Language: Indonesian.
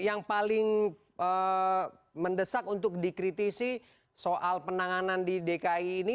yang paling mendesak untuk dikritisi soal penanganan di dki ini